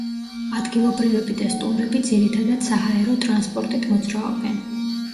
ადგილობრივები და სტუმრები ძირითადად საჰაერო ტრანსპორტით მოძრაობენ.